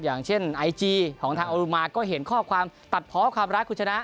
อย่างเช่นไอจีของทางอรุมาก็เห็นข้อความตัดเพาะความรักคุณชนะ